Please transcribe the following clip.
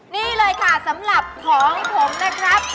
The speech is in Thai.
นี่เลยค่ะสำหรับของผมนะครับ